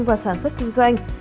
và sản xuất kinh doanh